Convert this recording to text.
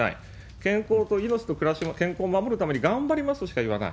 健康と命と暮らしの健康を守るために頑張りますしか言わない。